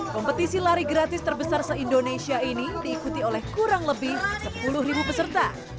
kompetisi lari gratis terbesar se indonesia ini diikuti oleh kurang lebih sepuluh peserta